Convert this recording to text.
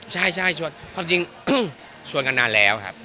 ใช่ชวนความจริงชวนกันนานแล้วครับ